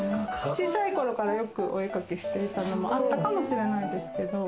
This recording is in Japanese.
小さい頃からよくお絵描きしてたのもあったかもしれないですけど。